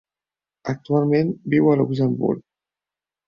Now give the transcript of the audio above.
Actualment viu a Luxemburg.